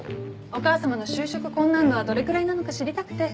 お母様の就職困難度はどれくらいなのか知りたくて。